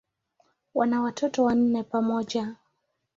Wana watoto wanne pamoja.